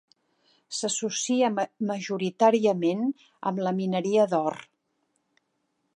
S'associa majoritàriament amb la mineria d'or.